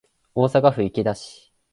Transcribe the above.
大阪府池田市